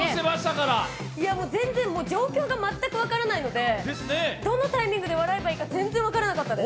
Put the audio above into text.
全然、状況が全く分からないので、どのタイミングで笑えばいいのか全然分からなかったです。